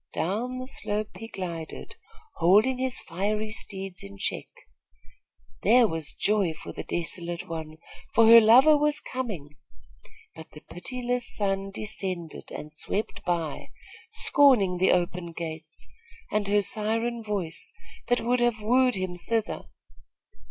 Down the slope he glided, holding his fiery steeds in check. There was joy for the desolate one, for her lover was coming; but the pitiless sun descended and swept by, scorning the open gates, and her siren voice, that would have wooed him thither.